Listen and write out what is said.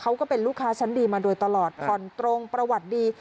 ก็เป็นลูกค้าชั้นดีมาโดยตลอดผ่อนตรงประวัติดี